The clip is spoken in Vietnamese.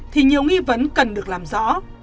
thì nhiều nghi vấn cần được làm rõ